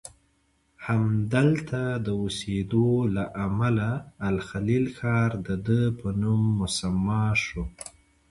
همدلته د اوسیدو له امله الخلیل ښار دده په نوم مسمی شو.